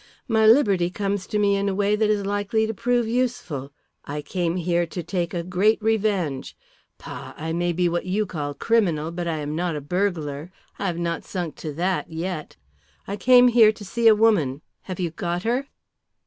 My liberty comes to me in a way that is likely to prove useful. I came here to take a great revenge. Pah, I may be what you call criminal, but I am not a burglar. I have not sunk to that yet. I came here to see a woman. Have you got her?"